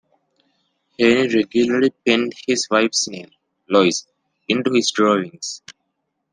Haynie regularly penned his wife's name, Lois, into his drawings.